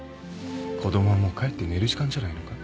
子供はもう帰って寝る時間じゃないのか？